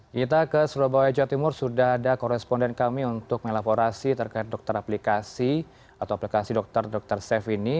kita ke surabaya jawa timur sudah ada koresponden kami untuk melaporasi terkait dokter aplikasi atau aplikasi dokter dokter safe ini